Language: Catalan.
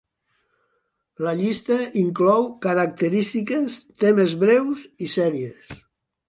La llista inclou característiques, temes breus i sèries.